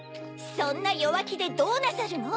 そんなよわきでどうなさるの？